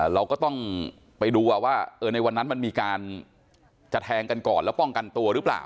เราก็ต้องไปดูว่าในวันนั้นมันมีการจะแทงกันก่อนแล้วป้องกันตัวหรือเปล่า